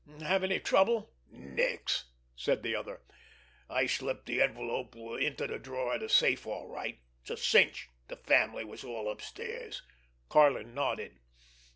"Have any trouble?" "Nix!" said the other. "I slipped the envelope into the drawer of the safe, all right. It was a cinch! The family was all upstairs." Karlin nodded.